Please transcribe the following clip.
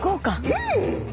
うん！